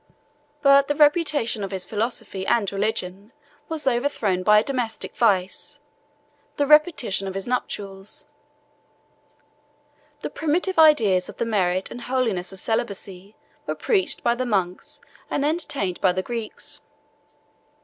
But the reputation of his philosophy and religion was overthrown by a domestic vice, the repetition of his nuptials. The primitive ideas of the merit and holiness of celibacy were preached by the monks and entertained by the Greeks.